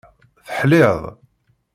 Teḥliḍ.